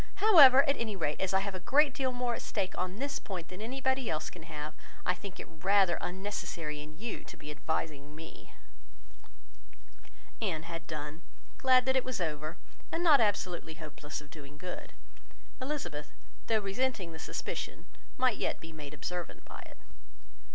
However, at any rate, as I have a great deal more at stake on this point than anybody else can have, I think it rather unnecessary in you to be advising me." Anne had done; glad that it was over, and not absolutely hopeless of doing good. Elizabeth, though resenting the suspicion, might yet be made observant by it.